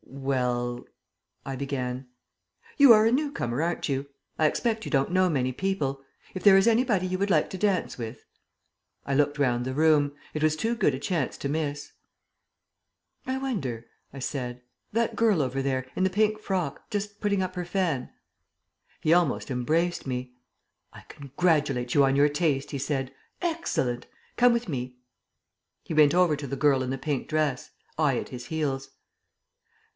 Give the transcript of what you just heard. "Well " I began. "You are a new comer, aren't you? I expect you don't know many people. If there is anybody you would like to dance with " I looked round the room. It was too good a chance to miss. "I wonder," I said. "That girl over there in the pink frock just putting up her fan " He almost embraced me. "I congratulate you on your taste," he said. "Excellent! Come with me." He went over to the girl in the pink dress, I at his heels.